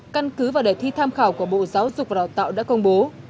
căn cứ và đề thi tham khảo của bộ giáo dục và đào tạo đã công bố